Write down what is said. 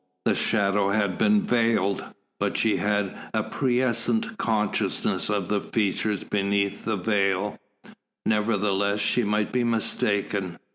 The shadow had been veiled, but she had a prescient consciousness of the features beneath the veil. Nevertheless, she might be mistaken.